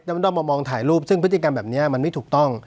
มันต้องมามองถ่ายรูปซึ่งพฤติกรรมแบบนี้มันไม่ถูกต้อง